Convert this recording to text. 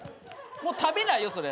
もう食べないよそれ。